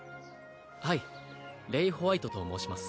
はいレイ＝ホワイトと申します